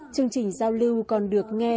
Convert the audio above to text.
chương trình giao lưu còn được nghe